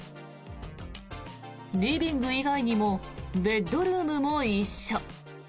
リビング以外にもベッドルームも一緒。